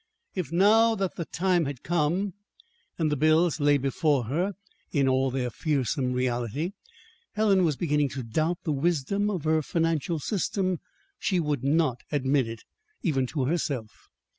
If, now that the time had come, and the bills lay before her in all their fearsome reality, Helen was beginning to doubt the wisdom of her financial system, she would not admit it, even to herself.